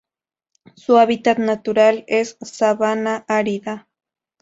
Su hábitat natural es: sabana árida.